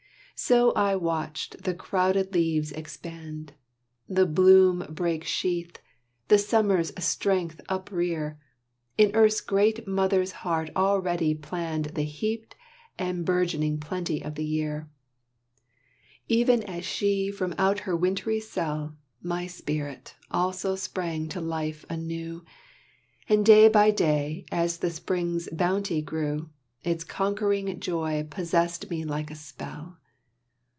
So as I watched the crowded leaves expand, The bloom break sheath, the summer's strength uprear, In earth's great mother's heart already planned The heaped and burgeoned plenty of the year, Even as she from out her wintry cell My spirit also sprang to life anew, And day by day as the spring's bounty grew, Its conquering joy possessed me like a spell.